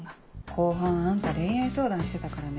後半あんた恋愛相談してたからね。